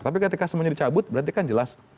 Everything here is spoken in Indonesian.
tapi ketika semuanya dicabut berarti kan jelas